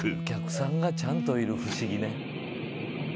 お客さんがちゃんといる不思議ね。